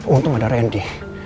untung ada randy